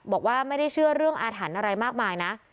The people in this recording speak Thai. บอกว่าไม่ได้เชื่อเรื่องอาถรรพ์อะไรมากมายนะ